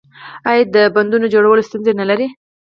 آیا د بندونو جوړول ستونزې نلري؟